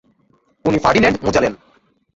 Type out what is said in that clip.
উনি Ferdinand Magellan.